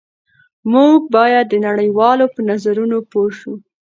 موږ باید د نړۍ والو په نظرونو پوه شو